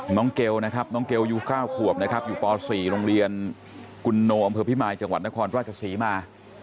เกลนะครับน้องเกลอายุ๙ขวบนะครับอยู่ป๔โรงเรียนกุลโนอำเภอพิมายจังหวัดนครราชศรีมา